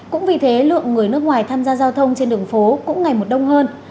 cũng vì thế lượng người nước ngoài tham gia giao thông trên đường phố cũng ngày một đông hơn